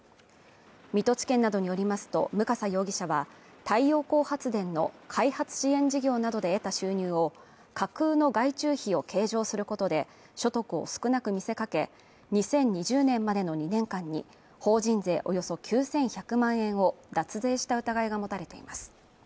水戸地検などによりますと、武笠容疑者は太陽光発電の開発支援事業などで得た収入を架空の外注費を計上することで所得を少なく見せかけ、２０２０年までの２年間に法人税およそ９１００万円を脱税した疑いが持たれています。